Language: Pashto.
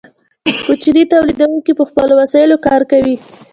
کوچني تولیدونکي په خپلو وسایلو کار کوي.